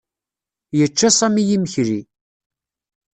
Yečča Sami imekli.